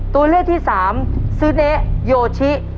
ตัวเลือกที่สามซึเนโยชิ